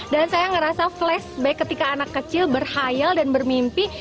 dan saya merasa flashback ketika anak kecil berhayal dan bermimpi